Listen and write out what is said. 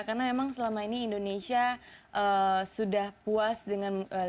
karena memang selama ini indonesia sudah puas dengan lima belas tahun